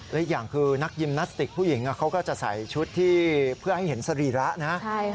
และอีกอย่างคือนักยิมนาสติกผู้หญิงเขาก็จะใส่ชุดที่เพื่อให้เห็นสรีระนะ